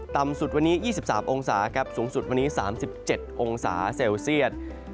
ต่ำสุดวันนี้๒๓องศาครับสูงสุดวันนี้๓๗องศาเซลเซียต